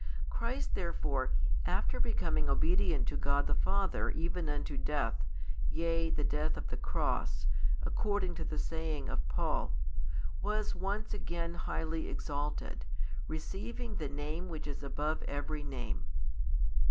Christ therefore, after becoming obedient to God the Father even unto death, yea, the death of the cross, according to the saying of Paul, was once again highly exalted, receiving the name which is above every name.